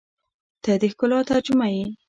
• ته د ښکلا ترجمه یې.